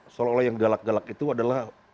seolah olah yang galak galak itu adalah